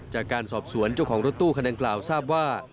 จากการสอบสวนเจ้าของรถตู้คันดังกล่าวทราบว่า